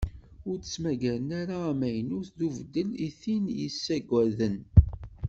Ur d-ttmaggaren ara amaynut d ubeddel i ten-yessaggaden.